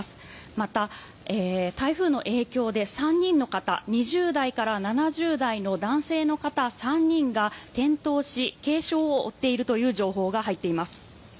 また、台風の影響で３人の方、２０代から７０代の男性の方３人が転倒し軽傷を負っているという情報が入っています。